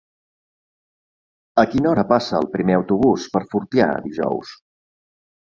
A quina hora passa el primer autobús per Fortià dijous?